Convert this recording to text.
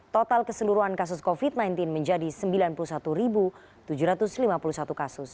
total keseluruhan kasus covid sembilan belas menjadi sembilan puluh satu tujuh ratus lima puluh satu kasus